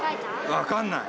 分かんない。